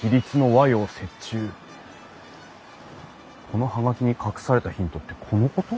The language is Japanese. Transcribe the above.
この葉書に隠されたヒントってこのこと？